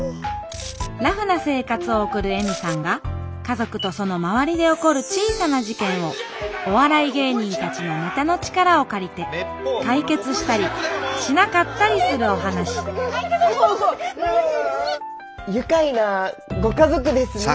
ラフな生活を送る恵美さんが家族とその周りで起こる小さな事件をお笑い芸人たちのネタの力を借りて解決したりしなかったりするお話愉快なご家族ですね。